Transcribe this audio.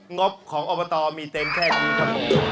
งบของอบตมีเต็มแค่นี้ครับผม